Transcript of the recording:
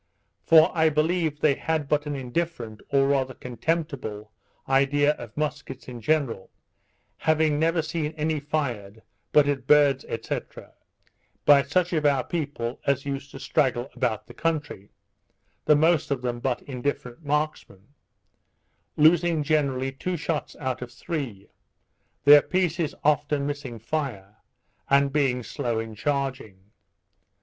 For I believe they had but an indifferent, or rather contemptible, idea of muskets in general, having never seen any fired but at birds, &c. by such of our people as used to straggle about the country, the most of them but indifferent marksmen, losing generally two shots out of three, their pieces often, missing fire, and being slow in charging.